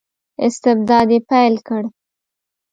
استبداد یې پیل کړ.